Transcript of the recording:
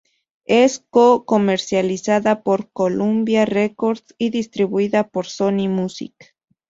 Es co-comercializada por Columbia Records y distribuida por Sony Music.